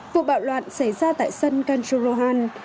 vụ bạo loạn xảy ra tại sân kanjuruhan